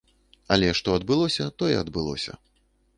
Але што адбылося, тое адбылося.